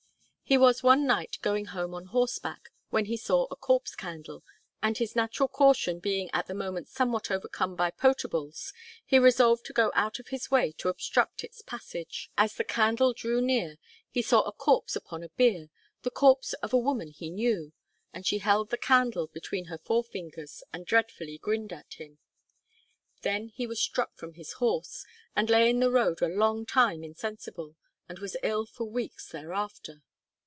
He was one night going home on horseback, when he saw a Corpse Candle, and his natural caution being at the moment somewhat overcome by potables, he resolved to go out of his way to obstruct its passage. As the candle drew near he saw a corpse upon a bier, the corpse of a woman he knew, and she held the candle between her forefingers, and dreadfully grinned at him. Then he was struck from his horse, and lay in the road a long time insensible, and was ill for weeks thereafter.